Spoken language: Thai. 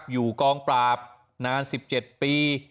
อยู่กองปราบนาน๑๗ปี